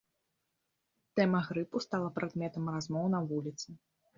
Тэма грыпу стала прадметам размоў на вуліцы.